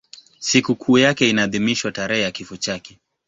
Sikukuu yake inaadhimishwa tarehe ya kifo chake.